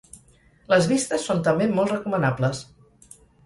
Les vistes són també molt recomanables.